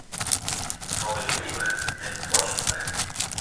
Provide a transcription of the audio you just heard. Traue niemals einem Fortschrittsbalken!